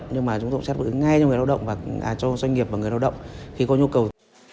nhưng mà chúng tôi cũng xét ngay cho doanh nghiệp và người lao động khi có nhu cầu